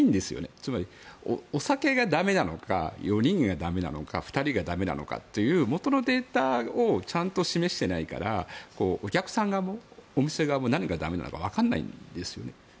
つまり、お酒が駄目なのか４人が駄目なのか２人が駄目なのかという元のデータをちゃんと示していないからお客さん側もお店側も何が駄目なのかわかんないんですよね。